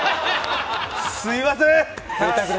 すいません！